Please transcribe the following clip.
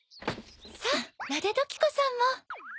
さぁナデドキコさんも。